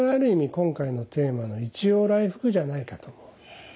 今回のテーマの「一陽来復」じゃないかと思う。